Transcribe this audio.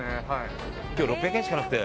今日６００円しかなくて。